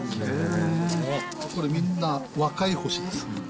これ、みんな若い星です。